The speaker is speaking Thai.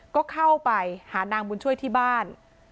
ก็เข้าไปหานางบุญช่วยที่บ้าน